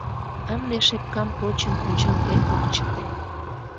Ынде шепкам почын ончалде ок чыте.